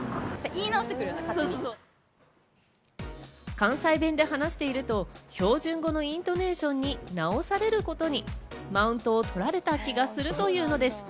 関西弁で話していると標準語のイントネーションに直されることにマウントを取られた気がするというのです。